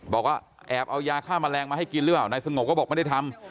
บอกว่าแอบเอายาฆ่าแมลงมาให้กินหรือเปล่านายสงบก็บอกไม่ได้ทำ